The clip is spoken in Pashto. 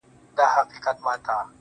نه ښېرا نه کوم هغه څومره نازک زړه لري.